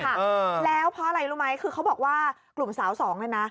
เออแล้วเพราะอะไรรู้ไหมคือเขาบอกว่ากลุ่มสาวสองเนี่ยนะ